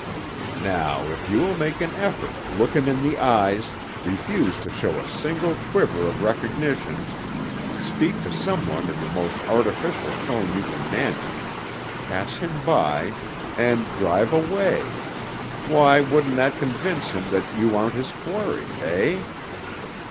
"Now, if you will make an effort, look him in the eyes, refuse to show a single quiver of recognition, speak to some one in the most artificial tone you can manage, pass him by, and drive away, why, wouldn't that convince him that you aren't his quarry eh?"